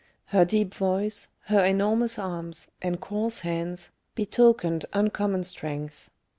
Her deep voice, her enormous arms, and coarse hands betokened uncommon strength.